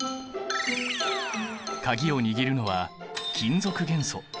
鍵を握るのは金属元素。